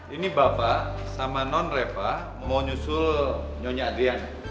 ini bapak sama non reva mau nyusul nyonya adrian